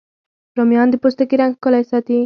رومیان د پوستکي رنګ ښکلی ساتي